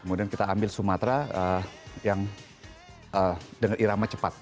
kemudian kita ambil sumatera yang dengan irama cepat